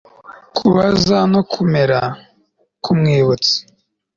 kubaza no kumera, kumwibutsa